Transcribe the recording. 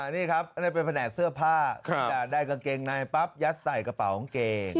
นี่ครับนั่นเป็นแผนกเสื้อผ้าได้กางเกงในปั๊บยัดใส่กระเป๋ากางเกง